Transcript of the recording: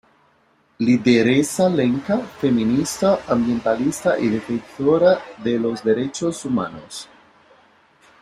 Lideresa Lenca, Feminista, ambientalista y defensora de Derechos Humanos.